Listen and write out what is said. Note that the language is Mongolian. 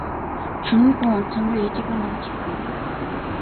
Шөнө нь хүү унтсангүй ээжийгээ манаж хэвтэв.